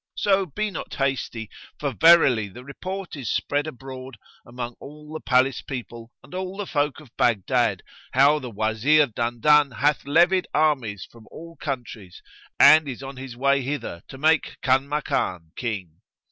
So be not hasty; for verily the report is spread abroad, among all the palace people and all the folk of Baghdad, how the Wazir Dandan hath levied armies from all countries and is on his way hither to make Kanmakan King."